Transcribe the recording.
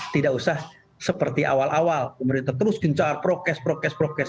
tidak usah seperti awal awal pemerintah terus gencar prokes prokes prokes